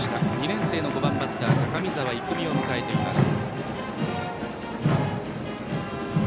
２年生の５番バッター高見澤郁魅を迎えています。